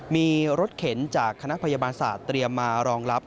มีรถเข็นจากคณะพยาบาลศาสตร์เตรียมมารองรับ